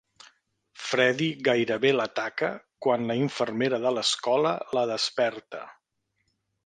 Freddy gairebé l'ataca quan la infermera de l'escola la desperta.